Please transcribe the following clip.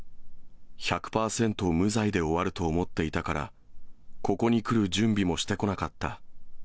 １００％無罪で終わると思っていたから、ここに来る準備もしてこなかった。